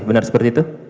benar seperti itu